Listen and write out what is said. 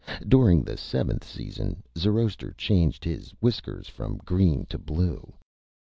During the Seventh Season Zoroaster changed his Whiskers from Green to Blue.